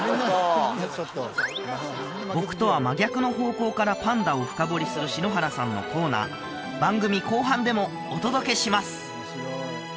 僕とは真逆の方向からパンダを深掘りする篠原さんのコーナー番組後半でもお届けします！